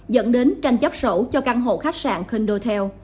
dẫn đến tranh chấp sổ cho căn hộ khách sạn condotel